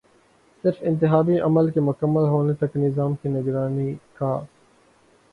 صرف انتخابی عمل کے مکمل ہونے تک نظام کی نگرانی کا